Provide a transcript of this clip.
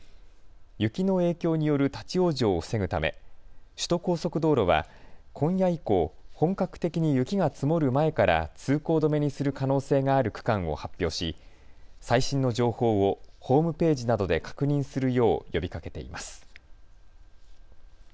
雪の影響による立往生を防ぐため首都高速道路は今夜以降、本格的に雪が積もる前から通行止めにする可能性がある区間を発表し、最新の情報をホームページなどで確認するよう呼びかけています。